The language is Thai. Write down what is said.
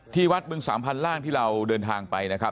ที่วัดบึงสามพันร่างที่เราเดินทางไปนะครับ